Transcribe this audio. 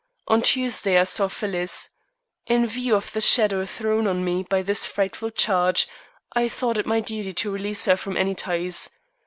On Tuesday I saw Phyllis. In view of the shadow thrown on me by this frightful charge I thought it my duty to release her from any ties.